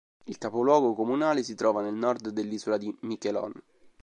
Il capoluogo comunale si trova nel nord dell'isola di Miquelon.